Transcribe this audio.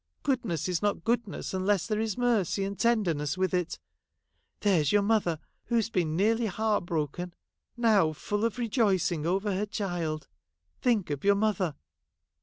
Goodness is not goodness unless there is mercy and tenderness with it. There is your mother who has been nearly heart broken, now full of rejoicing over her child — think of your mother.'